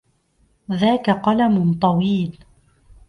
ذاك قلم طويل.